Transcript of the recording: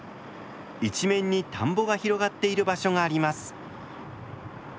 一面に田んぼが広がっている場所があります。